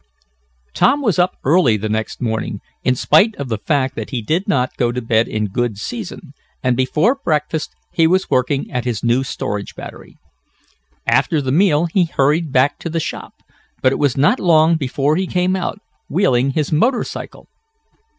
Tom was up early the next morning, in spite of the fact that he did not go to bed in good season, and before breakfast he was working at his new storage battery. After the meal he hurried back to the shop, but it was not long before he came out, wheeling his motor cycle.